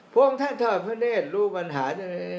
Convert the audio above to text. พระองค์ท่านเท่านี้รู้ปัญหา